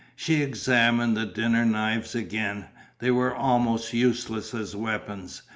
She examined the dinner knives again. They were almost useless as weapons.